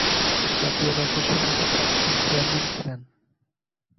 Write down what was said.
জাতীয় রাজস্ব বোর্ডের প্রাক্তন চেয়ারম্যান ছিলেন।